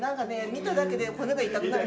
見ただけで骨が痛くなる。